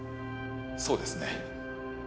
そうですね。